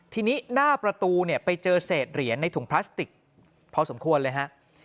ทีนี้หน้าประตูเนี่ยไปเจอเศษเหรียญในถุงพลาสติกพอสมควรเลยฮะ